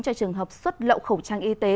cho trường hợp xuất lậu khẩu trang y tế